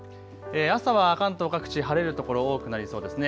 朝は関東各地、晴れる所多くなりそうですね。